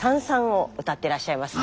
「燦燦」を歌ってらっしゃいます。